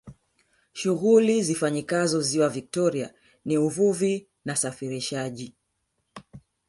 shughuli zifanyikazo ziwa victoria ni uvuvi na safirishaji